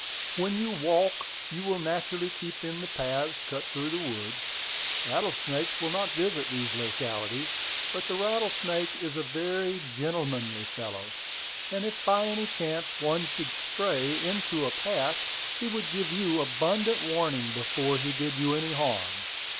When you walk, you will naturally keep in the paths cut through the woods. Rattlesnakes will not visit these localities. But the rattlesnake is a very gentlemanly fellow; and if by any chance one should stray into a path, he would give you abundant warning before he did you any harm."